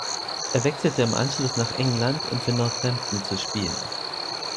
Er wechselte im Anschluss nach England, um für Northampton zu spielen.